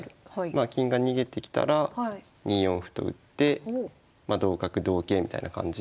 まあ金が逃げてきたら２四歩と打って同角同桂みたいな感じで。